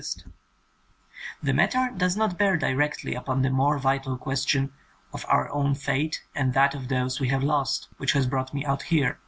97 THE COMING OF THE FAIRIES The matter does not bear directly upon the more vital question of our own fate and that of those we have lost, which has brought me out here.